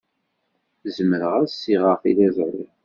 Zemreɣ ad ssiɣeɣ tiliẓri?